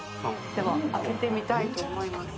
では開けてみたいと思います。